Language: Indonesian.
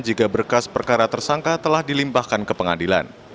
jika berkas perkara tersangka telah dilimpahkan ke pengadilan